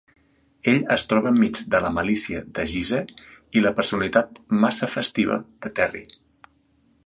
Ell es troba enmig de la malícia de Geese i la personalitat massa festiva de Terry.